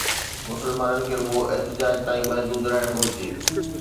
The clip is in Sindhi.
مسلمانن کي رڳو احتجاج تائين محدود رهڻ گهرجي